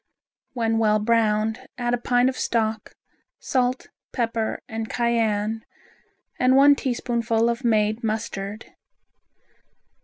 When well browned add a pint of stock, salt, pepper and cayenne and one teaspoonful of made mustard.